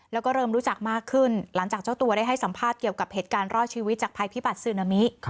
แล้วก็เริ่มรู้จักมากขึ้นหลังจากเจ้าตัวได้ให้สัมภาษณ์เกี่ยวกับเหตุการณ์รอดชีวิตจากภัยพิบัตรซึนามิ